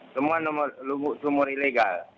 semua sumur ilegal